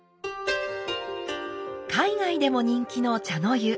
海外でも人気の茶の湯。